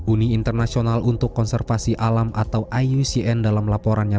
uni internasional untuk konservasi alam atau iucn dalam laporannya